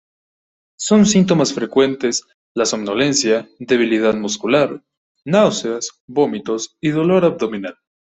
Son síntomas frecuentes la somnolencia, debilidad muscular, náuseas, vómitos y dolor abdominal.